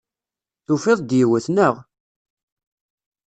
Tufiḍ-d yiwet, naɣ?